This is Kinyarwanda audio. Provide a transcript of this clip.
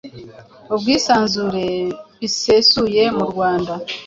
ubwisanzure bisesuye mu Rwanda.